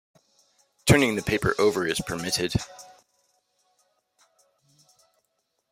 Turning the paper over is permitted.